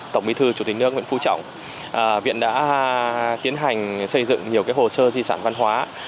tổng bí thư chủ tịch nước nguyễn phú trọng viện đã tiến hành xây dựng nhiều hồ sơ di sản văn hóa